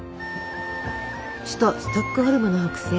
首都ストックホルムの北西